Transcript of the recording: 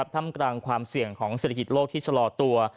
ทำกลางความเสี่ยงของเศรษฐกิจโลกที่ชะลอตัว